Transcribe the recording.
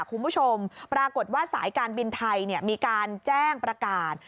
คุณผู้ชมปรากฏว่าสายการบินไทยมีการแจ้งประกาศ